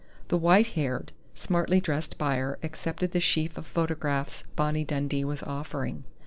The white haired, smartly dressed buyer accepted the sheaf of photographs Bonnie Dundee was offering.